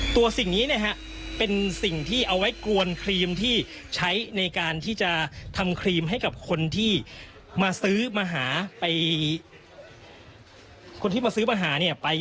ตัวสิ่งนี้เนี่ยฮะเป็นสิ่งที่เอาไว้กวนครีมที่ใช้ในการที่จะทำครีมให้กับคนที่มาซื้อมาหาไป